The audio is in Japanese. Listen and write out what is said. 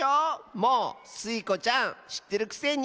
もうスイ子ちゃんしってるくせに。